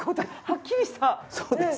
はっきりしたねえ